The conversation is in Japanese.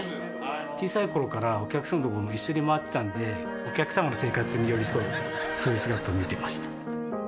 小さい頃からお客様の所を一緒に回ってたんでお客様の生活に寄り添うそういう姿を見ていました